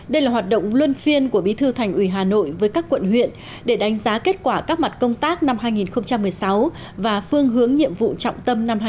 đây là hoạt động luân phiên của bí thư thành ủy hà nội với các quận huyện để đánh giá kết quả các mặt công tác năm hai nghìn một mươi sáu và phương hướng nhiệm vụ trọng tâm năm hai nghìn hai mươi